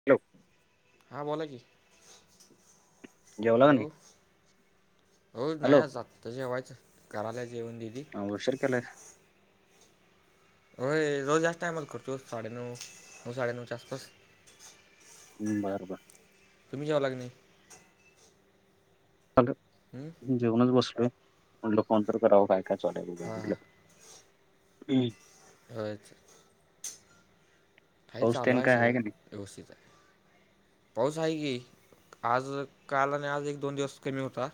न हा बोला की जेवला नाही हॅलो हो हॅलो नाही जात तसे व्हायच करालाच येऊन दिदी ह बषर केले हो रोज जास्त टायमात करतो साडेनऊ नऊ साडेनऊच्या आसपास हम्म बरोबर तुम्ही जावं लाग नाही हल हम्म जेवणच बसलोय म्हटलं फन तर करावं काय काय चालय बघ्या हां हां म्हटलं हम् अच का पाऊस चालू तेन आहे काय सगळं का नाही व्यवस्थित आहे पाऊस आहे की आज काल आणि आज एक दोन दिवस कमी होता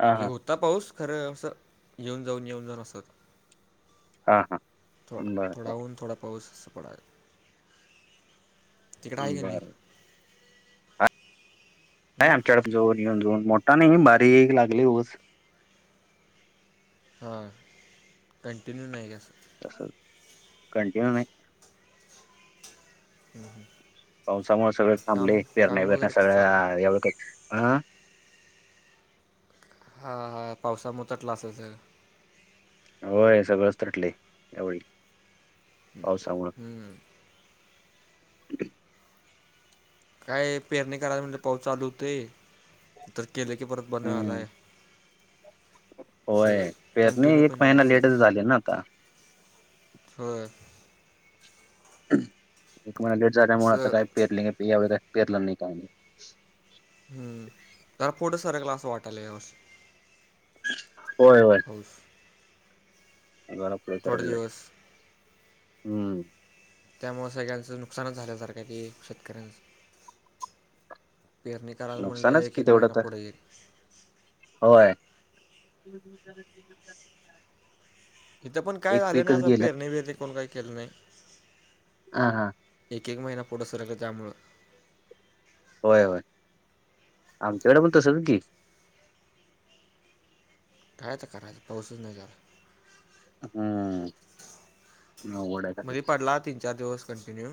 हा म्हे हा होता पाऊस खरं असं येऊन जाऊन येऊन जाऊन असत हा हा बर बर थोडाहून थोडा पाऊस अस पडाला तिकटाई कनी बर नाही आमच्याकड जऊन येऊन जाऊन मोठा नाही बारीक लागले ऊस हां कंटिन्यू नाही का स तस कंटिन्यू नाही हम् हम पावसामुळे सगळे थांबले फिरण्या विरण्या वगैरे कसं चालू आहे सगळ्या एवढं का हा हा पावसामुळेतटला असच होय सगळंच तटले यावेळी पावसामुळं हम्म [unintelligible] काय पेरणी करायला म्हणलं पाऊस चालू होते तर केले की परत बंद हम्म रालाय सगळं होय पेरणी कंटिन्यू एक पण नाही महिना स लेटच झाली ना आता हो एक महिना लेट झाल्यामुळे आता असं काय पेरले यावे काही पेरलं नाही काय नाही हम्म त्याला पुोटं सारकला असं वाटालंवस होय होय खौश हेला थोडे पुढेसरले दिवस हम्म त्यामुळें सगळ्यांचं नुकसानच झाल्यासारखं तेी शेतकऱ्यांचं पेरणी करायला म्हणलं नुकसानच एक कि एक तेवढं महिना तर पुढे येईल होय इिथं पण काय एक झालं नाही पीकच असं गेलं पेरणी बिरणी कोण काही केलं नाही ह हा एक एक महिना पुढं सरकला त्यामुळं होय होय आमच्याकड पण तसच की. काय तर करायचं पावसच नाही झालं हम्म अवघड आहे सगळं. मध्ये पडला तीन चार दिवस कंटिन्यू.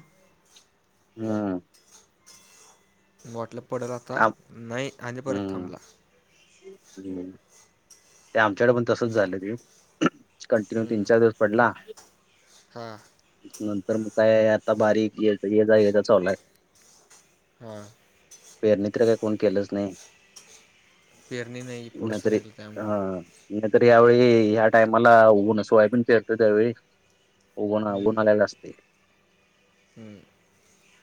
हम् वाटलं पडल आता आम नाही आणि परत थांबला. हम् ते आमच्याकडे पण तसच झालं ते कंटिन्यू तीन हम्म, चार दिवस पडला. हा नंतर मग काय आता बारीक ये जा ये जा चालू आहे. हा. पेरणीत्र काही कोण केलंच नाही पेरणी नाही पुढ नाहीतरी सरगल काम हा नाहीतर यावेळी ह्या टाइमाला उन सोय पण फिरतो त्यावेळी उगणा हम्म, उभनलेला असते हम्म.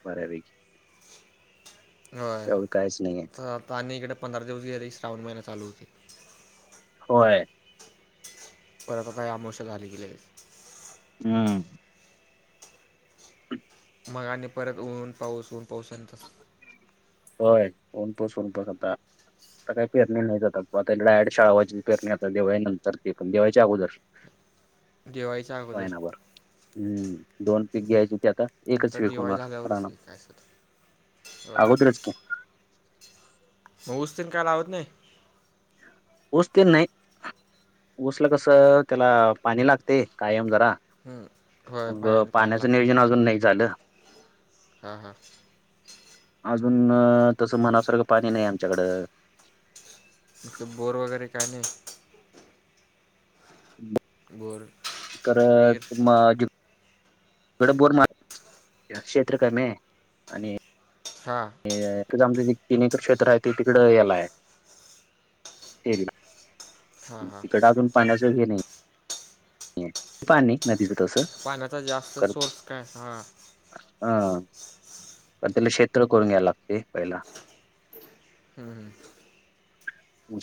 परावी हो आ आणि इकडे पंधरा दिवस गेले श्रावण महिना चालू होती होय. परत का आमोश झाले गेले. हम्म मग आणि परत ऊन पाऊस ऊन पाऊस तसं होय ऊनपाऊस हुता. आता का पेरणी नाही जात आता शाळावाची पेरणी आता दिवाळीच्या नंतर ते पण दिवाळीच्या अगोदर. दिवाळीच्या अगोदर सयनावरर हम्म दोन पीक घ्यायचेती आता. एकच नंतर पीक दिवाळी होणार झाल्यावरच रानात. आहे काय असंल ते. अगोदरच की मग ऊस तेन काय लावत नाही. ऊसतेन नाही ऊसल कसं त्याला पाणी लागते कायम जरा. हम्म. होय मग पाणी पाणी पाण्याचं लागते नियोजन अजून नाही झालं. हां हां. अजून तसं मनासारखं पाणी नाही आमच्याकडं. म्हे बोर वगैरे काय नाही. बोर विहीर करत मा डं बोर मार क्षेत्र कामे आणि हा. आमचं जे तिन एकर क्षेत्र आहे ते तिकडं येलाय. हां हां तिकड अजून पाण्याचं घ नाही पाणी नाही नदीच. पाण्याचा जास्त सोर्स काय हा हं प त्याला शेत्र करून घ्यायला लागते पहिला. हम् हम.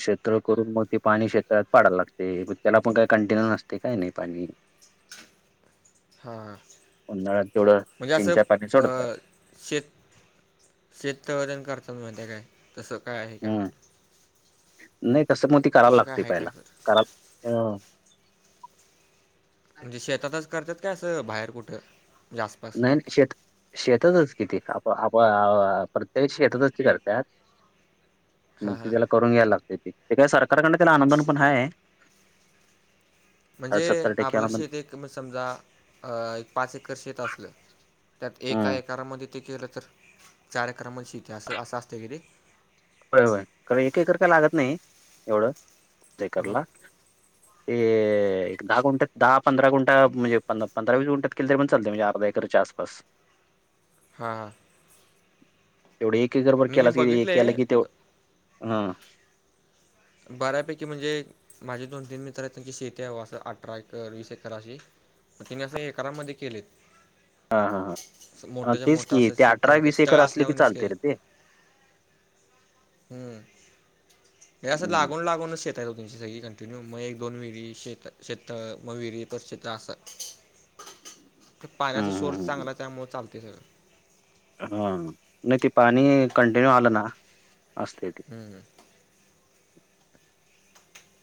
शेञ करून मग ते पाणी शेत्रात पाडायला लागतेय त्याला पण काही कंटिन्यू नसते काय नाही पाणी. हां उन्हाळ तेवढं म्हणजे तीन असं चार पाणी सोडतात. अ, शेत शेतवजन करतात माझ्या काय तसं काय आहे काय हम्म म्हणलं. नाही तस मग ती करायला तसं काय लागते आहे काय पहिला सर करायला. म्हणजे शेतातच करतात काय असं बाहेर कुठं? म्हणजे आसपास नाही शेत शेतातच किती आप प्रत्येकाची शेतातच ती करतात. मग हां ती हां त्याला करून घ्यायला लागते त ते काय सरकारकडन त्याला अनुदान पण नाही. म्हणजे सत्तर टक्के आपलं अनुदान. शेत एक समजा एक पाच एकर शेत असलं. त्यात एका हम्म एकाामध्ये ते केलं तर चार अकरा म्ह श इथे असं असं असते कि ते हो होय एकेकर काय लागत नाही मग एवढंेकरला ते एक दहा गुंटात दहा पंधरा गुंटा म्हणजे पंधरा वस गुंटात केलं तरी पण चालतय. अर्धा एकरच्या आसपास. हां. तेवढं, एक एकरबर मी मी केलास कि, ही बघितलं केलं आहे की त्यो, हा. बऱ्यापैकी म्हणजे, माझे दोन तीन मित्र आहेत. त्यांची शेती आहे. असं, अठरा एकर, वीस एकर अशी. मग तिने असं, एकरामध्ये केलेत. हां, हां, हां. असं, अ, मोठच्या तेच मोठा की असे ते शेततळ केलय. तळ एकर असले की असल्यावनीच चालते केलंय. रे ते. हम्म. हे असं हं, लागून -लागूनच शेत दो तनची सगळी कंटीन्यू. मग एक- दोन विहिरी. शेतं. शेत मग विहिरी. परत शेत असाय. [inaudible] त पाण्याचा हं, सोर्स चांगलाय, त्यामुळं चालतय, सगळं. हा. नाही ते पाणी, कंटिन्यू आलं ना. असते. हम् हम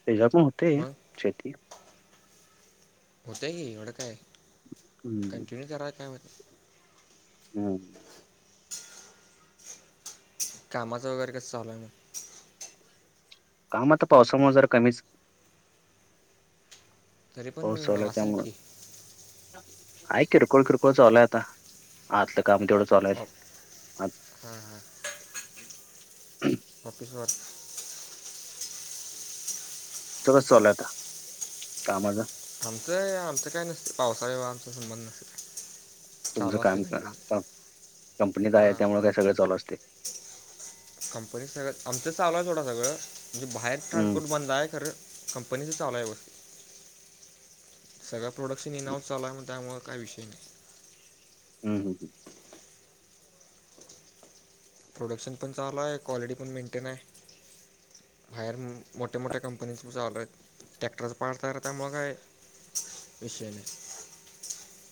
त्याच्या पण होते शेती. होतय की एवढं काय हं, कंटिन्यू करा काय म्हत. हम्म कामाचं वगैरे कस चालूय मग. हा, म आता पावसामुळ जरा कमीच. तरी हो पण [unintelligible] असेल त्यामुळं. की ऐक की खरं [unintelligible] आता. आतलं काम तेवढं चालूय, ऑफ आज. हां, हां. ऑफिसवर सगळंच चालूय आता, कामाचा. आमचं, आमचं काय नसत. पावसाळा येऊ आमचा संबंध नस तुमचं काम. कंपनीत आहे हा त्यामुळे, काय सगळं चालू असतय. कंपनी सगळं. आमचं चालूय सोडा सगळं. म्हणजे बाहेर हम्म ट्रान्सपोर्ट बंदाय खरं. कंपनीच चालूया वर्क. सगळ्या प्रोडक्शन इनाउस चालूय मग, त्यामुळं काय विषय नाही. हम्, हम, ह. प्रोडक्शन पण चालूय. क्वालिटी पण मेंटेनय. बाहेर मोठ्या- मोठ्या कंपनीज चालुयात. टॅक्टरच पार्ट त्यामुळं काय. विषय नाही.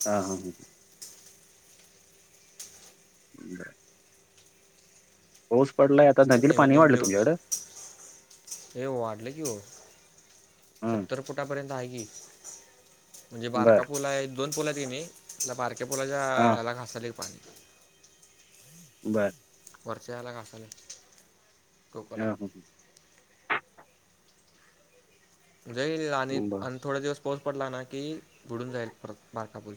हा, हा, हं. [unintelligible] पऊस पडलाय. आता नदीला नवीन - पाणी नवीन वाढलं डेऊ. तुमच्याकडं हे वाढले कि ओ. हम्म सत्तर फुटापर्यंत हाय की. म्हणजे बर बारका पुल हाय. दोन पुलायत किनाई. बारक्या पूलाच्या हा हला घासाल पाणी. बरं. वरच्या याला घासाले. टोकाला हा, ह. जाईल आणि, बर आणि थोडा दिवस पाऊस पडला ना की, बुडून जाईल परत बारका पूल.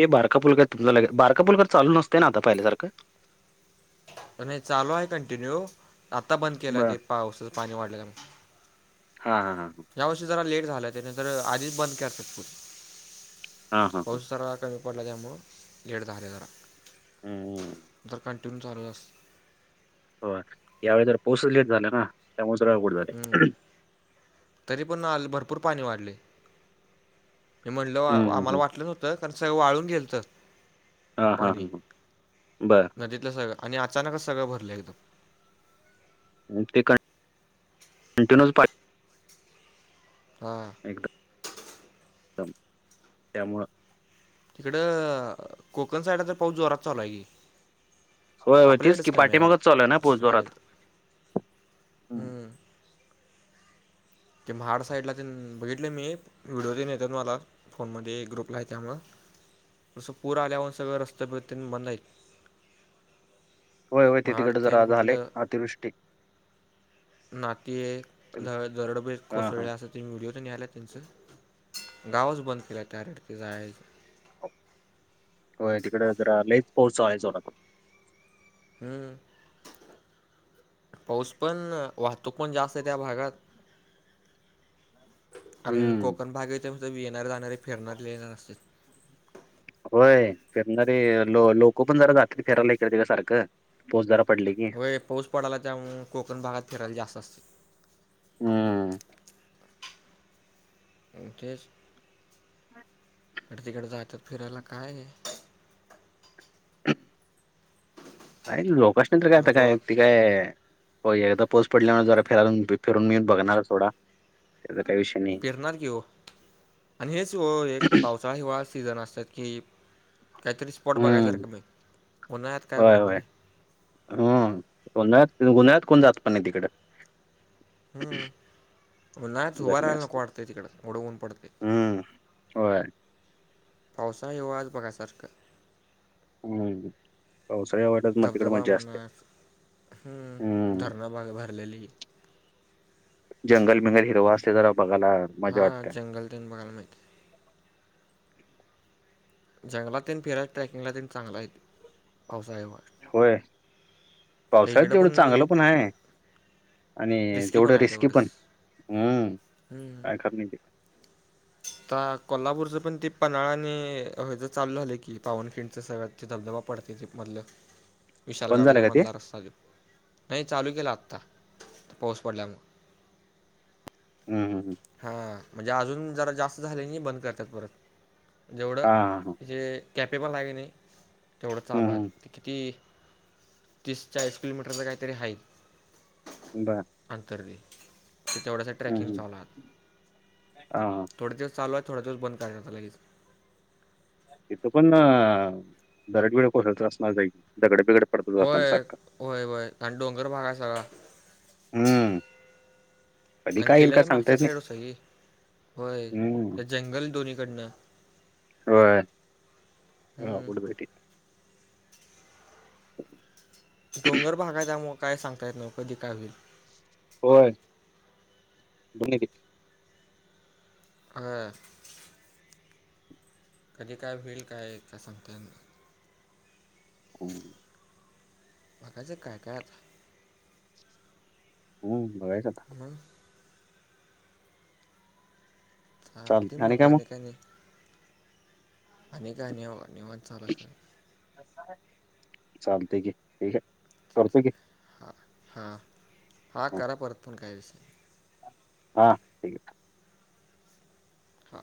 ते बारका पुल काय [unintelligible] बारका पुल तर चालू नसते ना आता पाहिल्यासारखं. नाही चालू आहे कंटिन्यू. आता बंद केला बर ते, पावसच पाणी वाढलं त्यामुळं. हा, हा, हा, हां. यावर्षी जरा लेट झाला. त्या नाही तर आधीच बंद करत्यात पूल. हा हा हा पाऊस जरा काय पडला त्यामुळं, लेट झाले जरा. हम्म जर कंटिन्यू चालूच अस हो. यावेळी जरा पाऊसच लेट झाला ना. त्यामुळे जरा अवघड हम्म. झाले. तरी पण आल, भरपूर पाणी वाढले. मी म्हटलं, वा हम्म हम्म आम्हाला हम्म वाटलं नव्हतं. कारण, सगळं वाळून गेलत. हा हा पाणी. हा बर नदीतलं सगळं. आणि अचानकच सगळं भरलं एकदम. [unintelligible] [unintelligible] [unintelligible] हा. दम. त्यामुळं. तिकडं, कोकण साईडला तर पाऊस जोरात चालूय की. होय होय तेच आपल्याकडच की कमीय जरा पाठीमागच चालू आहे ना तस पाऊस बघाय गेल जोरात तर हम्म ते महाड साईडला तेन बघितल मी व्हिडिओ तेन येत्यात मला फोनमध्ये ग्रुपला आहे त्यामुळं तसं पूर आल्यामुळं सगळें रस्ते तेन सगळं बंदयत. होय होय ते तिकडं जरा झालय अतिवृष्टी नाकी जरा दरड बिरड हां, हां. कोसळल्या. त्याच व्हिडिओ तेन याल्यात त्यांचं गावच बंद केल्या त्या रेडकीच हाय असं. होय तिकड जरा लयच पाऊस हाय चालू हम्म पाऊस पण वाहतूक पण जास्तय त्या भागात कारण हम्म. कोकण भाग येतोय म्हणतो येणारी जाणारी फिरणारी लय जण असत्यात. होय फिरणारे लो लोक पण जरा जातील फिरायला इकडं तिकडं सारखं पोच जरा पडले की. होय पाऊस पडायला त्यामुळ कोकण भागात फिरायला जास्त असत. हम्म तेच इकड तिकड जायाच फिरायला काय काय लोकशनी तर काय जरा आता काय जोरात ते काय हो एकदा पोऊस पडल्यामुळे जरा फिरून फिरून मी बघणार थोडा त्याजा काही विषय नाही. पेरणार की हो आणि हेच ओ एक पावसाळा हिवाळा सीझन असत्यात की काहीतरी स्पॉट हम्म. बघायसारखं मी उन्हाळ्यात काय बघणारे. हम्म उन्हाळ्यात उन्हाळ्यात कोण जात पण नाही तिकड हम्म उन्हाळ्यात उभा गरमी राहायला नको असते. वाटतय तिकडं येवढ ऊन पडतय. हम्म. होय. पावसा हिवळ्यात बघसारखं हम्म पावसाळ्या वाट्यात म तिकड धबधबा मज्जा असत्या. म्हणा हम्म धरणा बाग भरलेली जंगलबिगल हिरव असतय जरा बघायला. मजा हा हा वाटते. जंगल तेन बघायला मिळतंय. जंगलात तेन फिरायला ट्रॅकिंगला तेन चांगलयत पावसाळ्या होय पावसाळ्यात तेवढं पण चांगलं पणय आणि पण तेवढं आहे रिस्की तेवढंच पण हम्म हम्म काय खर नाही तिथं आता कोल्हापूरचं पण ते पन्हाळा आणि ह्याज चालू झालंय की पावनखिंच सगळ्यात धबधबा पडतय ते मधलं बंद झालं विशालगडाच्या का ते मधला रस्ता त्यो नाही चालू केला आत्ता पाऊस पडल्यामुळं हम हम हम हा म्हणजे अजून जरा जास्त झालनी बंद करत्यात परत जेवढं हा हा हा जे कॅपेबल आहे किनी तेवढं हम्म चालूय. हम्म ते किती तीस चाळीस किलोमीटरचा काहीतरी हाय. बर. अंतर ते तेवढ्यासा हम्म ट्रॅकिंग हम्म चालूय हा हा थोडे दिवस चालूय थोडे दिवस बंद करायच आता लगेच. तिथं पण दरड बिरड कोसळतच असणार दगड बिगड पडतच असणार होय सारखं होय होय आन डोंगर भागय सगळा हम्म कधी अंन काय येईल काय किल्याचा सांगता मागच्या येत नाही साईड ओ सगळी हम्म होय जंगल दोन्हीकडनं होय हम्म [unintelligible] डोंगर भागय त्यामुळ काय सांगता येत नाही ओ कधी काय होईल. होय [unintelligible] होय. कधी काय होईल काय काय सांगता येत नाई [inaudible] बघायचं काय काय आता हो बघायचं आता म [unintelligible] काय चालतंय आणि नाही मग आणि काय नि निवांत [unintelligible] चालतय की ठीक आहे करतोय की हां हां हा करा परत फोन काय विषय नाही. हा ठीक आहे. हा.